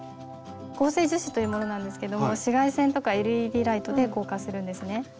合成樹脂というものなんですけども紫外線とかＬＥＤライトで硬化するんですね。